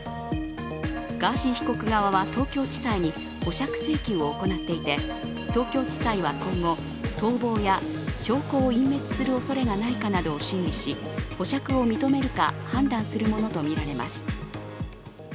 ガーシー被告側は東京地裁に保釈請求を行っていて東京地裁は今後、逃亡や証拠を隠滅するおそれがないかなどを審理し保釈を認めるか判断するものとみられます。